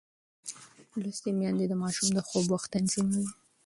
لوستې میندې د ماشوم د خوب وخت تنظیموي.